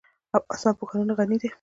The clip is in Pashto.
افغانستان په ښارونه غني دی.